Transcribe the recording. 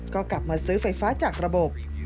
ก็กลับมาซื้อไฟฟ้าจากระบบ